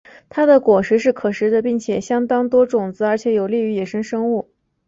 它的果实是可食的并且相当多种子而且有益于野生生物。